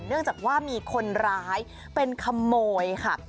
เนื่องจากว่ามีคนร้ายเป็นขโมยค่ะ